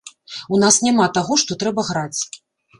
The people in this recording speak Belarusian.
У нас няма таго, што трэба граць.